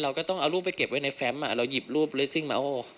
เราก็ต้องเอารูปไปเก็บไว้ในแฟมเราหยิบรูปเลสซิ่งมาโอ